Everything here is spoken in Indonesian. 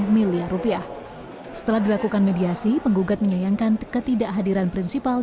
dua puluh miliar rupiah setelah dilakukan mediasi penggugat menyayangkan ketidakhadiran prinsipal